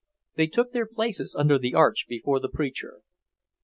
They took their places under the arch before the preacher.